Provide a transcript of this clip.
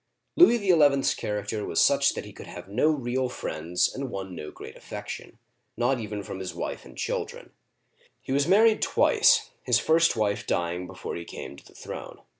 Louis XL's character was such that he could have no real friends and won no great affection, not even from his wife and children. He was married twice, his first wife dying before he came to the throne.